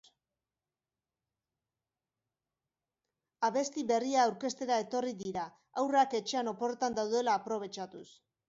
Abesti berria aurkeztera etorri dira, haurrak etxean oporretan daudela aprobetxatuz.